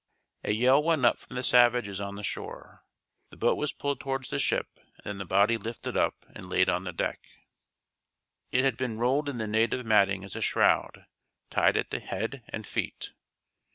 A yell went up from the savages on the shore. The boat was pulled towards the ship and then the body lifted up and laid on the deck. It had been rolled in the native matting as a shroud, tied at the head and feet.